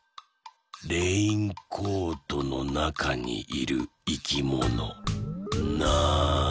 レインコートのなかにいるいきものなんだ？